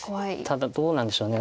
ただどうなんでしょう。